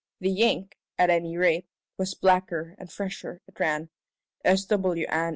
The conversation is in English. The ink, at any rate, was blacker and fresher. It ran: S.W. ann.